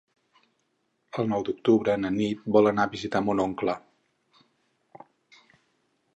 El nou d'octubre na Nit vol anar a visitar mon oncle.